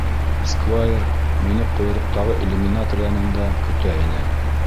Сквайр мине ҡойроҡтағы иллюминатор янында көтә ине.